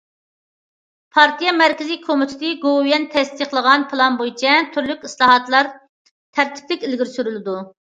پارتىيە مەركىزى كومىتېتى، گوۋۇيۈەن تەستىقلىغان پىلان بويىچە، تۈرلۈك ئىسلاھاتلار تەرتىپلىك ئىلگىرى سۈرۈلىدۇ.